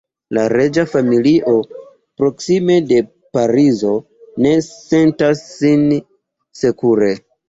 La reĝa familio, proksime de Parizo, ne sentas sin sekure.